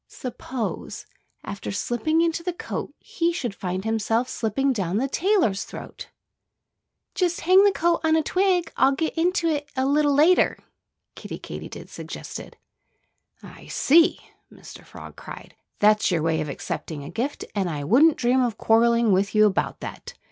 Suppose, after slipping into the coat, he should find himself slipping down the tailor's throat? "Just hang the coat on a twig and I'll get into it a little later," Kiddie Katydid suggested. "I see!" Mr. Frog cried. "That's your way of accepting a gift. And I wouldn't dream of quarreling with you about that.